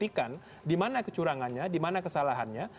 dan juga untuk membuktikan di mana kecurangannya di mana kesalahannya